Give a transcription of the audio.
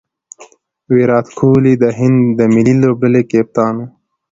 ویرات کهولي د هند د ملي لوبډلي کپتان وو.